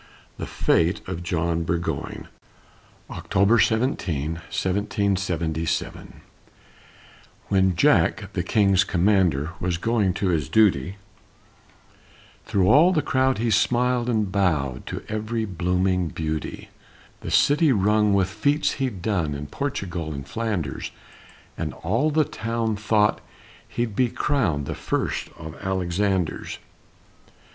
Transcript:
THE FATE OF JOHN BURGOYNE [October 17, 1777] When Jack the King's commander Was going to his duty, Through all the crowd he smiled and bowed To every blooming beauty. The city rung with feats he'd done In Portugal and Flanders, And all the town thought he'd be crowned The first of Alexanders.